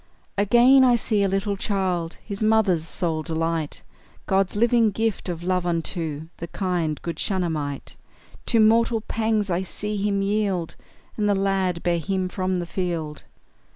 Again, I see a little child, His mother's sole delight, God's living gift of love unto The kind, good Shunammite; To mortal pangs I see him yield, And the lad bear him from the field.